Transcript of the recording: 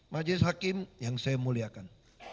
majelis hakim yang saya muliakan